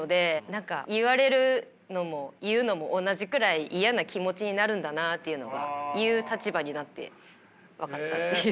何か言われるのも言うのも同じくらい嫌な気持ちになるんだなあっていうのが言う立場になって分かったっていう。